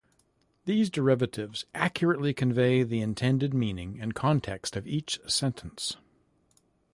These derivatives accurately convey the intended meaning and context of each sentence.